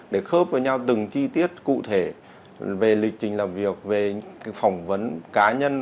để khớp với nhau từng chi tiết cụ thể về lịch trình làm việc về phỏng vấn cá nhân